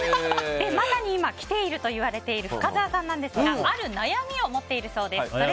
まさに今、きているといわれる深澤さんなんですがある悩みを持っているそうです。